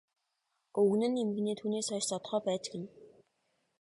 Өвгөн нь эмгэнээ түүнээс хойш зодохоо байж гэнэ.